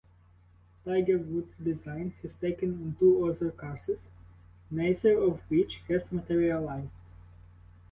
Tiger Woods Design has taken on two other courses, neither of which has materialized.